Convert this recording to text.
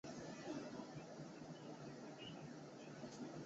后移驻额尔德尼召。